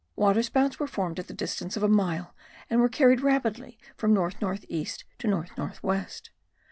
Waterspouts were formed at the distance of a mile and were carried rapidly from north north east to north north west.